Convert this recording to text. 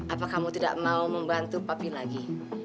apa kamu tidak mau membantu papi lagi